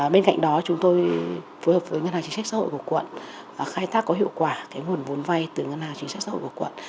bên cạnh đó chúng tôi phối hợp với ngân hàng chính sách xã hội của quận khai thác có hiệu quả nguồn vốn vay từ ngân hàng chính sách xã hội của quận